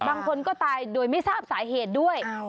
บางคนก็ตายโดยไม่ทราบสาเหตุด้วย